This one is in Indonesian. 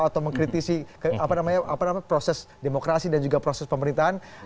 atau mengkritisi proses demokrasi dan juga proses pemerintahan